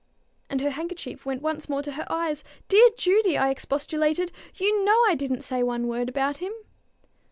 And her handkerchief went once more to her eyes. "Dear Judy!" I expostulated, "you know I didn't say one word about him."